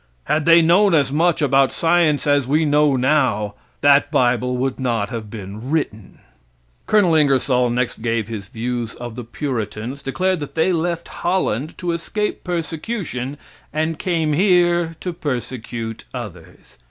Had they known as much about science as we know now that bible would not have been written. Col. Ingersoll next gave his views of the Puritans, declared they left Holland to escape persecution and came came here to persecute others.